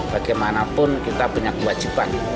bagaimanapun kita punya kewajiban